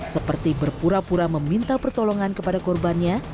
seperti berpura pura meminta pertolongan kepada korbannya